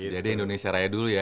jadi indonesia raya dulu ya